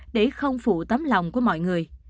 để không phụ tấm lòng của mọi người